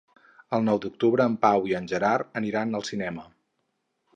El nou d'octubre en Pau i en Gerard aniran al cinema.